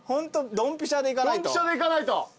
ドンピシャでいかないと。